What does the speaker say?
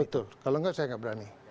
betul kalau enggak saya nggak berani